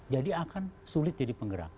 jadi akan sulit jadi penggerak